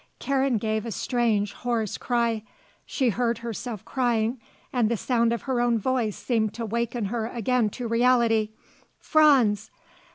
Karen gave a strange hoarse cry. She heard herself crying, and the sound of her own voice seemed to waken her again to reality: "Franz!